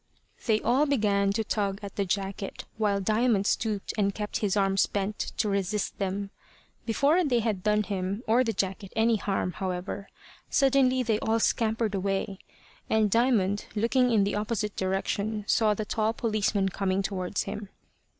They all began to tug at the jacket, while Diamond stooped and kept his arms bent to resist them. Before they had done him or the jacket any harm, however, suddenly they all scampered away; and Diamond, looking in the opposite direction, saw the tall policeman coming towards him.